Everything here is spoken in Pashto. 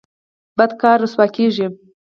بد کار رسوا کیږي